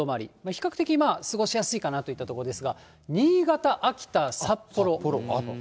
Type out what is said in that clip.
比較的過ごしやすいかなといったところですが、新潟、秋田、札幌。